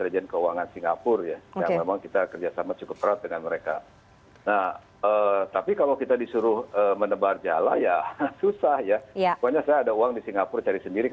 jangan lupa like share dan subscribe